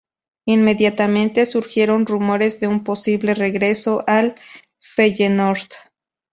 Inmediatamente surgieron rumores de un posible regreso al Feyenoord.